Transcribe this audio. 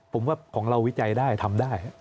ผมว่าของเราวิจัยได้ทำได้